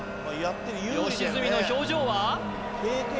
良純の表情は？